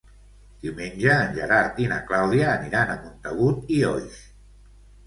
Diumenge en Gerard i na Clàudia aniran a Montagut i Oix.